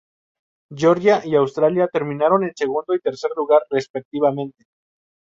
Georgia y Australia terminaron en segundo y tercer lugar, respectivamente.